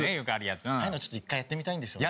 ああいうのちょっと１回やってみたいんですよね。